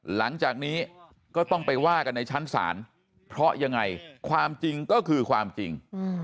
หลังจากนี้ก็ต้องไปว่ากันในชั้นศาลเพราะยังไงความจริงก็คือความจริง